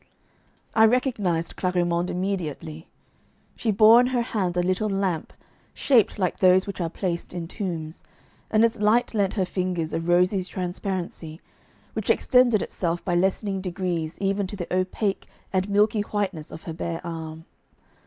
I recognised Clarimonde immediately. She bore in her hand a little lamp, shaped like those which are placed in tombs, and its light lent her fingers a rosy transparency, which extended itself by lessening degrees even to the opaque and milky whiteness of her bare arm.